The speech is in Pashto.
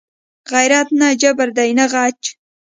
غیرت نه جبر دی نه غچ